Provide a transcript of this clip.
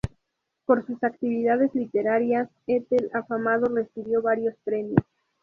Por sus actividades literarias, Ethel Afamado recibió varios premios.